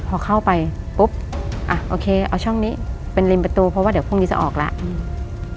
พอเข้าไปปุ๊บอ่ะโอเคเอาช่องนี้เป็นริมประตูเพราะว่าเดี๋ยวพรุ่งนี้จะออกแล้วอืม